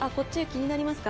気になりますか？」